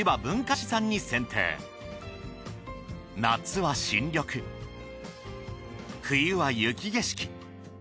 夏は新緑冬は雪景色。